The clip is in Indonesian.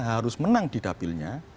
harus menang di dapilnya